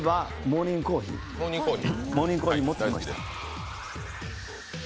モーニングコーヒー、持ってきました。